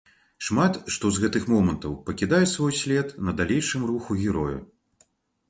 Шмат што з гэтых момантаў пакідае свой след на далейшым руху героя.